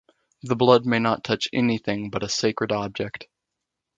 The blood may not touch anything but a sacred object.